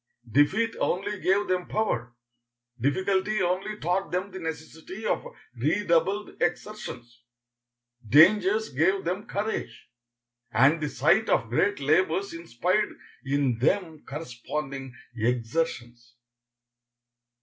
Defeat only gave them power; difficulty only taught them the necessity of redoubled exertions; dangers gave them courage, and the sight of great labors inspired in them corresponding exertions.